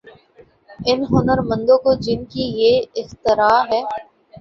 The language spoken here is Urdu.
ان ہنرمندوں کو جن کی یہ اختراع ہے۔